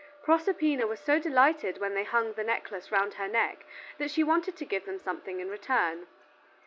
Proserpina was so delighted when they hung the necklace round her neck that she wanted to give them something in return.